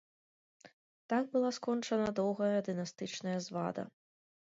Так была скончана доўгая дынастычная звада.